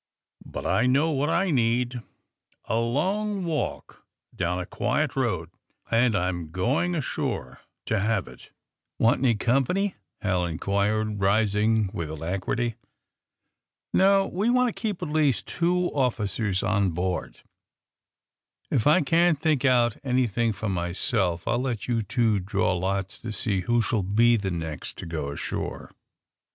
*'But I know what I need — a long walk down a quiet road, and I'm going ashore to have if' AND THE SMUGGLERS 35 *^Waiit any company T^ Hal inquired, rising with alacrity. *^ No ; we want to keep at least two officers on board. If I can^t think out anything for my self I'll let you two draw lots to see who shall he the next to go ashore.